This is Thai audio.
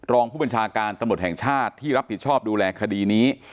รองผู้บัญชาการตำรวจแห่งชาติที่รับผิดชอบดูแลคดีนี้